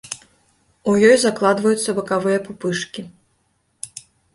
У ёй закладваюцца бакавыя пупышкі.